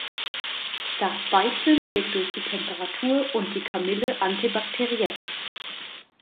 Das Beizen wirkt durch die Temperatur und die Kamille antibakteriell.